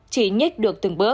chỉ nhích được từng ngày